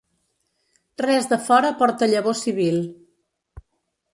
Res de fora porta llavor civil.